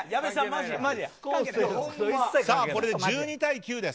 これで１２対９です。